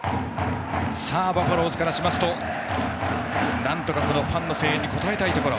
バファローズからしますとなんとかファンの声援に応えたいところ。